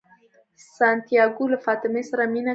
سانتیاګو له فاطمې سره مینه کوي.